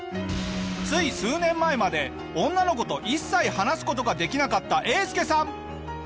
つい数年前まで女の子と一切話す事ができなかったえーすけさん。